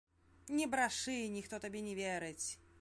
Не брашы, ніхто табе не верыць!